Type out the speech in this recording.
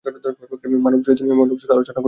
মানবচরিত্র নিয়ে আমি অনাবশ্যক আলোচনা করি নে।